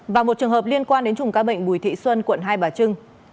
và một trường hợp liên quan đến chùm ca bệnh bùi thị xuân quận hai bà trưng